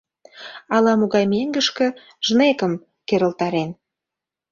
Ала-могай меҥгышке жнейкым керылтарен.